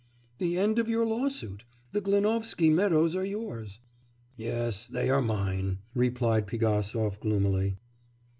'The end of your lawsuit. The Glinovsky meadows are yours.' 'Yes, they are mine,' replied Pigasov gloomily.